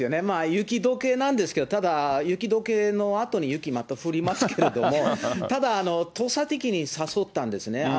雪どけなんですけど、ただ、雪どけのあとに雪、また降りますけれども、ただ、とっさ的に誘ったんですね。